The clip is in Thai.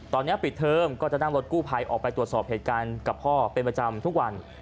ตอนนี้ปิดเทอมก็จะนั่งรถกู้ภัยออกไปตรวจสอบเหตุการณ์กับพ่อเป็นประจำทุกวัน